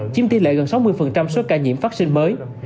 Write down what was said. chiếm tỷ lệ gần sáu mươi số ca nhiễm phát sinh mới